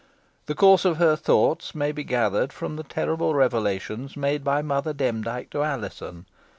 The course of her thoughts may be gathered from the terrible revelations made by Mother Demdike to Alizon.